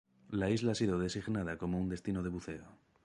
La isla ha sido designada como un destino de buceo.